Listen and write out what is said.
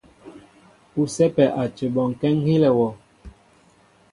U sɛ́pɛ́ a cə bɔnkɛ́ ŋ́ hílɛ wɔ.